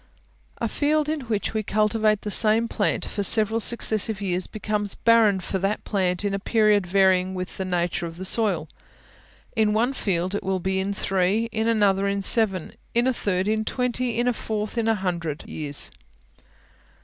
A field in which we cultivate the same plant for several successive years becomes barren for that plant in a period varying with the nature of the soil: in one field it will be in three, in another in seven, in a third in twenty, in a fourth in a hundred years.